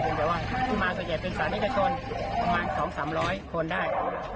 แต่ว่าที่มาส่วนใหญ่เป็นศานิกชนประมาณ๒๓๐๐คนได้